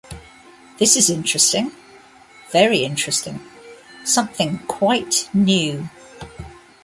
This is interesting — very interesting — something quite new.